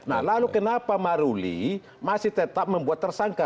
nah lalu kenapa maruli masih tetap membuat tersangka